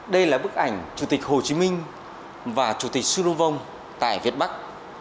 đây là bức ảnh chủ tịch hồ chí minh và chủ tịch su van nu vong tại việt bắc